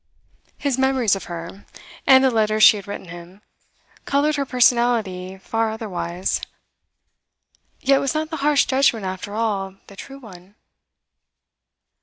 His memories of her, and the letters she had written him, coloured her personality far otherwise. Yet was not the harsh judgment after all the true one?